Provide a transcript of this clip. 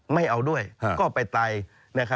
ไม่เอาด้วยก็ไปไต